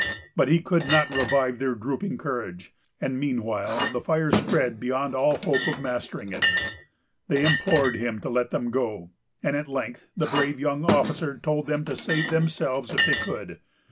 But he could not revive their drooping courage, and meanwhile the fire spread beyond all hope of mastering it. They implored him to let them go, and at length the brave young officer told them to save themselves if they could.